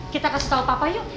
kita kasih tahu papa yuk